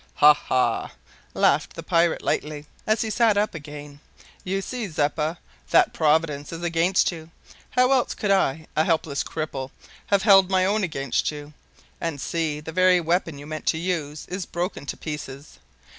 "Ha! ha!" laughed the pirate lightly, as he sat up again, "you see, Zeppa, that Providence is against you. How else could I, a helpless cripple, have held my own against you? And see, the very weapon you meant to use is broken to pieces.